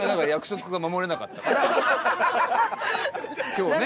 今日ね